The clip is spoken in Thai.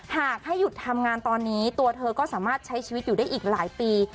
หากให้หยุดทำงานตอนนี้ตัวเธอก็สามารถใช้ชีวิตอยู่ได้อีกหลายปี